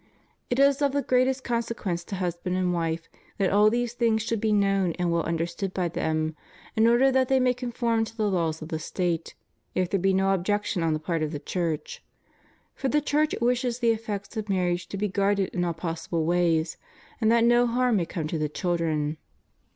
It is of the greatest con sequence to husband and wife that all these things should be known and well understood by them, in order that they may conform to the laws of the State, if there be no objection on the part of the Chm ch; for the Chm ch wishes the effects of marriage to be guarded in all pos sible ways, and that no harm may come to the children.